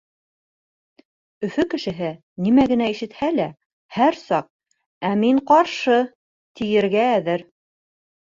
Өфө кешеһе, нимә генә ишетһә лә, һәр саҡ «Ә мин ҡаршы!» тиергә әҙер.